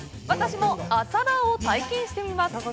私も朝ラーを体験してみます！